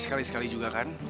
sekali sekali juga kan